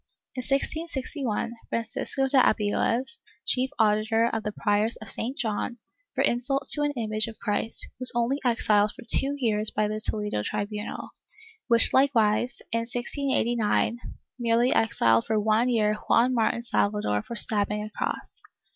In 1661, Francisco de Abiles, chief auditor of the Priors of St. John, for insults to an image of Christ, was only exiled for two years by the Toledo tribunal, which likewise, in 1689 merely exiled for one year Juan Martin Salvador for stabbing a cross.